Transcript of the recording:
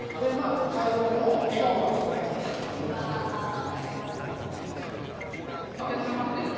会場も笑顔がこぼれていたということです。